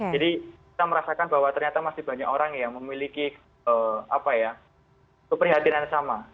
jadi kita merasakan bahwa ternyata masih banyak orang yang memiliki keprihatinan yang sama